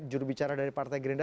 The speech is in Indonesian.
jurubicara dari partai gerinda